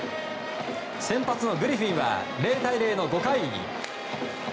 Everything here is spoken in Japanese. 先発のグリフィンは０対０の５回。